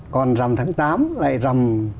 còn rằm tháng tám lại rằm